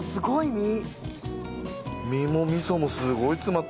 身もミソもすごい詰まってる。